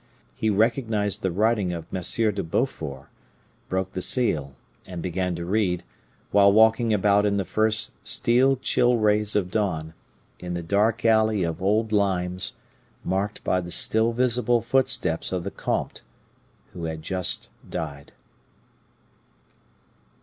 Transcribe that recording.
He recognized the writing of M. de Beaufort, broke the seal, and began to read, while walking about in the first steel chill rays of dawn, in the dark alley of old limes, marked by the still visible footsteps of the comte who had just died.